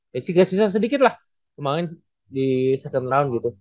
ya sigah sisa sedikit lah kemarin di second round gitu